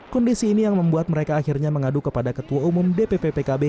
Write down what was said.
kondisi ini yang membuat mereka akhirnya mengadu kepada ketua umum dpp pkb